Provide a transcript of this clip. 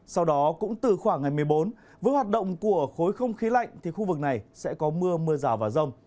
sau đó cũng từ khoảng ngày một mươi bốn với hoạt động của khối không khí lạnh thì khu vực này sẽ có mưa mưa rào và rông